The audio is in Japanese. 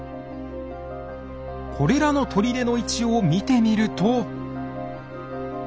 これらの砦の位置を見てみると。